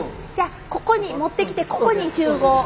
じゃあここに持ってきてここに集合。